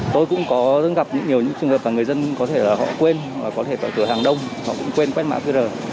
tôi cũng có gặp nhiều những trường hợp là người dân có thể là họ quên có thể tại cửa hàng đông họ cũng quên quét mã qr